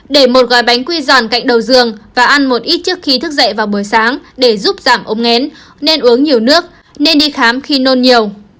để một gói bánh quy giòn cạnh đầu giường và ăn một ít trước khi thức dậy vào buổi sáng để giúp giảm ôm ngén nên uống nhiều nước nên đi khám khi nôn nhiều